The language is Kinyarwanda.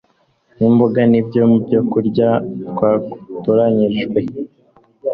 n’imboga ni byo byokurya twatoranyirijwe